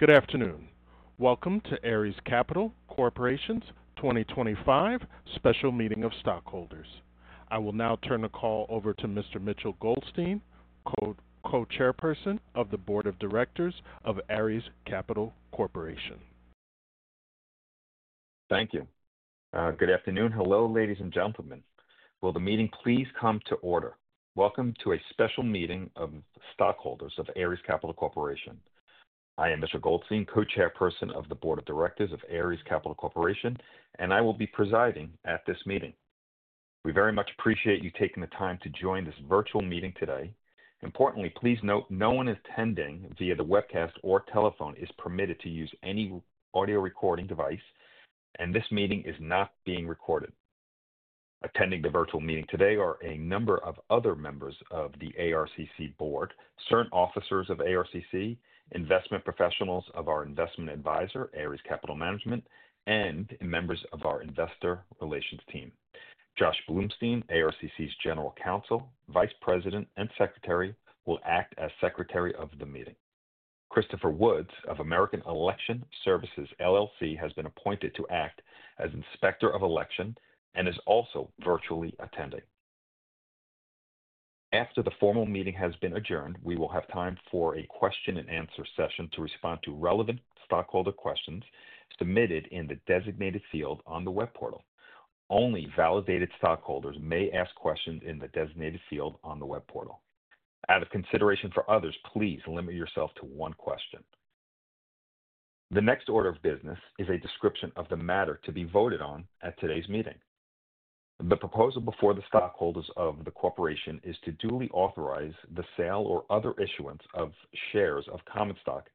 Good afternoon. Welcome to Ares Capital Corporation's 2025 Special meeting of Stockholders. I will now turn the call over to Mr. Mitchell Goldstein, Co-Chairperson of the Board of Directors of Ares Capital Corporation. Thank you. Good afternoon. Hello, ladies and gentlemen. Will the meeting please come to order? Welcome to a special meeting of stockholders of Ares Capital Corporation. I am Mr. Goldstein, Co-Chairperson of the Board of Directors of Ares Capital Corporation, and I will be presiding at this meeting. We very much appreciate you taking the time to join this virtual meeting today. Importantly, please note no one attending via the webcast or telephone is permitted to use any audio recording device, and this meeting is not being recorded. Attending the virtual meeting today are a number of other members of the ARCC Board, certain officers of ARCC, investment professionals of our investment adviser, Ares Capital Management, and members of our investor relations team. Josh Bloomstein, ARCC's General Counsel, Vice President, and Secretary, will act as Secretary of the meeting. Christopher Woods of American Election Services, LLC, has been appointed to act as Inspector of Election and is also virtually attending. After the formal meeting has been adjourned, we will have time for a question and answer session to respond to relevant stockholder questions submitted in the designated field on the web portal. Only validated stockholders may ask questions in the designated field on the web portal. Out of consideration for others, please limit yourself to one question. The next order of business is a description of the matter to be voted on at today's meeting. The proposal before the stockholders of the corporation is to duly authorize the sale or other issuance of shares of common stock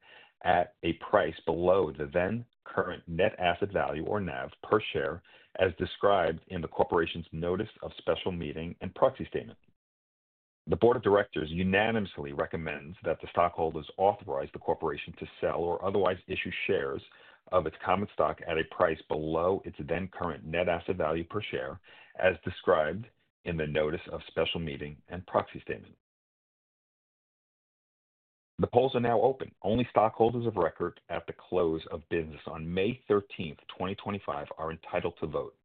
at a price below the then current net asset value, or NAV, per share, as described in the corporation's notice of special meeting and proxy statement. The Board of Directors unanimously recommends that the stockholders authorize the corporation to sell or otherwise issue shares of its common stock at a price below its then current net asset value per share, as described in the notice of special meeting and proxy statement. The polls are now open. Only stockholders of record at the close of business on May 13, 2025, are entitled to vote.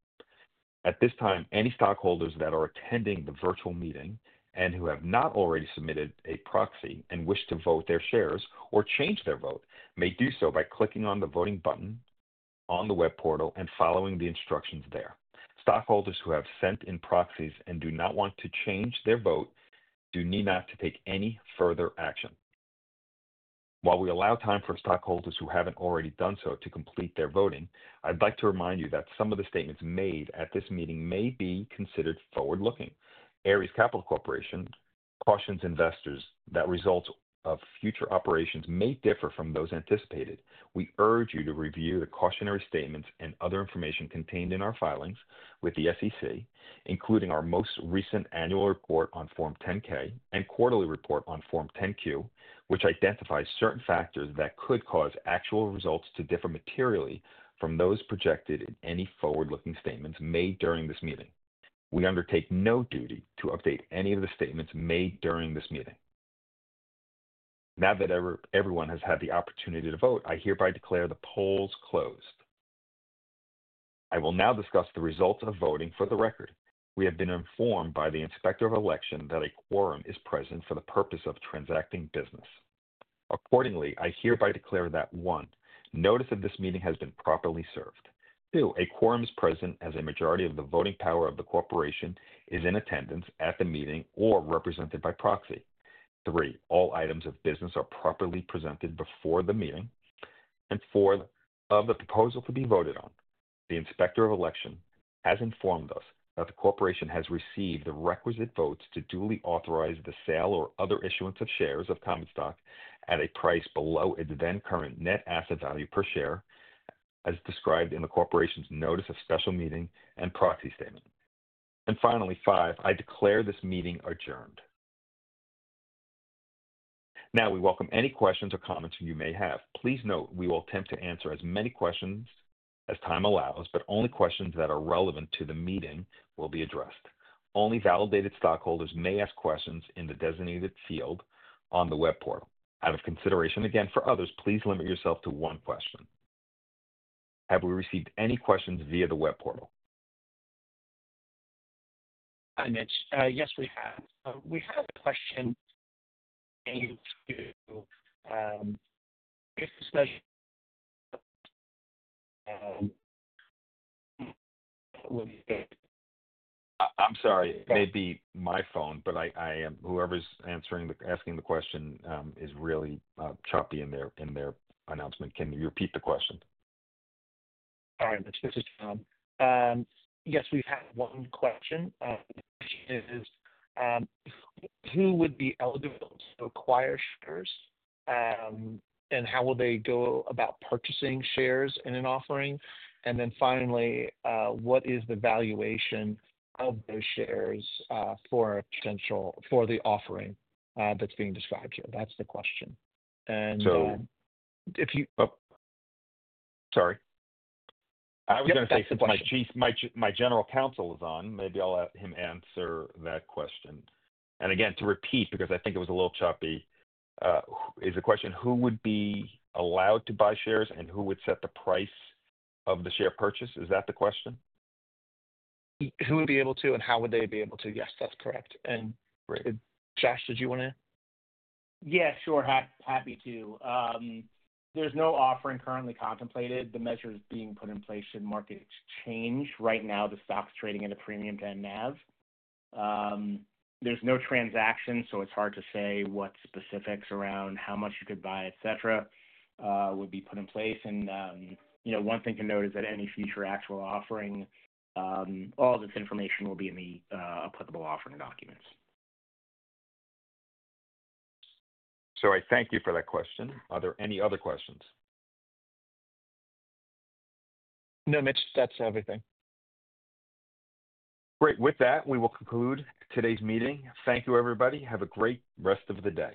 At this time, any stockholders that are attending the virtual meeting and who have not already submitted a proxy and wish to vote their shares or change their vote may do so by clicking on the voting button on the web portal and following the instructions there. Stockholders who have sent in proxies and do not want to change their vote do not need to take any further action. While we allow time for stockholders who haven't already done so to complete their voting, I'd like to remind you that some of the statements made at this meeting may be considered forward-looking. Ares Capital Corporation cautions investors that results of future operations may differ from those anticipated. We urge you to review the cautionary statements and other information contained in our filings with the SEC, including our most recent annual report on Form 10-K and quarterly report on Form 10-Q, which identifies certain factors that could cause actual results to differ materially from those projected in any forward-looking statements made during this meeting. We undertake no duty to update any of the statements made during this meeting. Now that everyone has had the opportunity to vote, I hereby declare the polls closed. I will now discuss the results of voting for the record. We have been informed by the inspector of election that a quorum is present for the purpose of transacting business. Accordingly, I hereby declare that, one, notice that this meeting has been properly served. Two, a quorum is present as a majority of the voting power of the corporation is in attendance at the meeting or represented by proxy. Three, all items of business are properly presented before the meeting. Four, of the proposal to be voted on, the inspector of election has informed us that the corporation has received the requisite votes to duly authorize the sale or other issuance of shares of common stock at a price below its then current net asset value per share, as described in the corporation's notice of special meeting and proxy statement. Five, I declare this meeting adjourned. Now we welcome any questions or comments you may have. Please note we will attempt to answer as many questions as time allows, but only questions that are relevant to the meeting will be addressed. Only validated stockholders may ask questions in the designated field on the web portal. Out of consideration, again, for others, please limit yourself to one question. Have we received any questions via the web portal? Hi, Mitch. Yes, we have a question in. I'm sorry, it may be my phone, but whoever's asking the question is really choppy in their announcement. Can you repeat the question? All right, Mitch. This is Tom. Yes, we've had one question, and it is, who would be eligible to acquire shares? How will they go about purchasing shares in an offering? Finally, what is the valuation of those shares for a potential for the offering that's being described here? That's the question. If you—sorry, I was going to say since my General Counsel is on, maybe I'll let him answer that question. Again, to repeat, because I think it was a little choppy, is the question, who would be allowed to buy shares and who would set the price of the share purchase? Is that the question? Who would be able to, and how would they be able to? Yes, that's correct. Josh, did you want to... Yeah, sure. Happy to. There's no offering currently contemplated. The measures being put in place shouldn't mark it change. Right now, the stock's trading at a premium to NAV. There's no transaction, so it's hard to say what specifics around how much you could buy, etc., would be put in place. One thing to note is that any future actual offering, all of this information will be in the applicable offering documents. Thank you for that question. Are there any other questions? No, Mitch, that's everything. Great. With that, we will conclude today's meeting. Thank you, everybody. Have a great rest of the day.